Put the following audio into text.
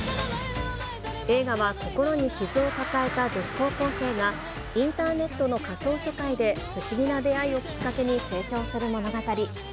映画は心に傷を抱えた女子高校生が、インターネットの仮想世界で不思議な出会いをきっかけに成長する物語。